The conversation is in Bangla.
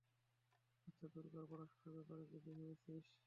আচ্ছা, দুর্গার পড়াশুনার ব্যাপারে কিছু ভেবেছিস?